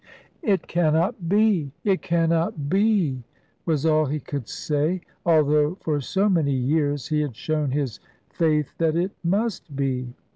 "It cannot be; it cannot be," was all he could say, although for so many years he had shown his faith that it must be.